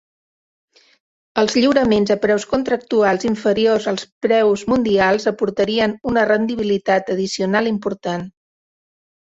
Els lliuraments a preus contractuals inferiors als preus mundials aportarien una rendibilitat addicional important.